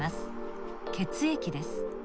血液です。